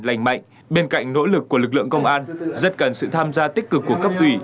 lành mạnh bên cạnh nỗ lực của lực lượng công an rất cần sự tham gia tích cực của cấp ủy